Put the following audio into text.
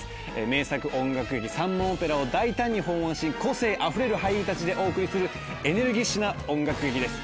名作音楽劇『三文オペラ』を大胆に翻案し個性あふれる俳優たちでお送りするエネルギッシュな音楽劇です。